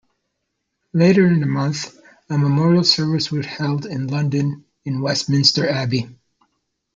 Later in the month, a memorial service was held in London in Westminster Abbey.